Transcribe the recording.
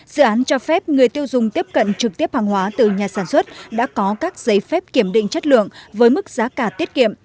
dự án cho phép người tiêu dùng tiếp cận trực tiếp hàng hóa từ nhà sản xuất đã có các giấy phép kiểm định chất lượng với mức giá cả tiết kiệm